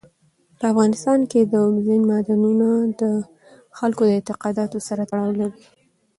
په افغانستان کې اوبزین معدنونه د خلکو د اعتقاداتو سره تړاو لري.